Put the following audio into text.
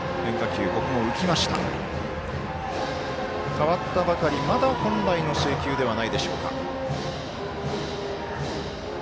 代わったばかりまだ本来の制球ではないでしょうか。